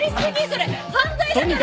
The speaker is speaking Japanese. それ犯罪だから！